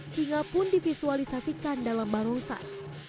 singa pun divisualisasikan dalam barongsai